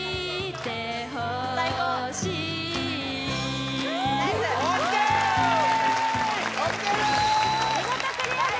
でーす見事クリアです